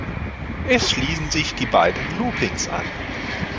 Es schließen sich die beiden Loopings an.